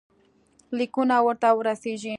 لیکونه ورته ورسیږي.